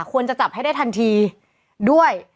ควรจะจับให้ได้ทันทีด้วย